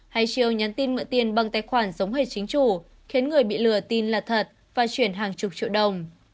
hay triều nhắn tin mượn tiền bằng tài khoản giống hệ chính chủ khiến người bị lừa tin là thật và chuyển hàng chục triệu đồng